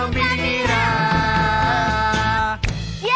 libur telah tiba